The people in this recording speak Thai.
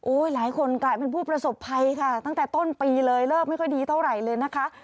หลายคนกลายเป็นผู้ประสบภัยค่ะตั้งแต่ต้นปีเลยเลิกไม่ค่อยดีเท่าไหร่เลยนะคะ